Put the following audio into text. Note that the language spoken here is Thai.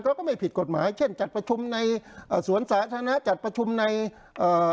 ก็ไม่ผิดกฎหมายเช่นจัดประชุมในเอ่อสวนสาธารณะจัดประชุมในเอ่อ